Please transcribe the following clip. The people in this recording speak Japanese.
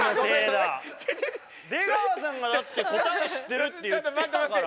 出川さんがだって答え知ってるって言ってたから。